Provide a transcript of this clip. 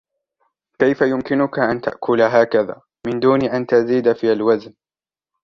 كيف يمكنك أن تأكل هكذا، من دون أن تزيد في الوزن؟